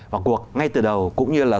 vào cuộc ngay từ đầu cũng như là